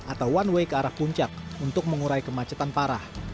atau one way ke arah puncak untuk mengurai kemacetan parah